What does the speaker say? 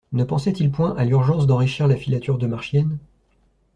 Ne pensaient-ils point à l'urgence d'enrichir la filature de Marchiennes?